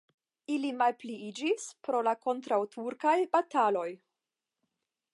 Ili malpliiĝis pro la kontraŭturkaj bataloj.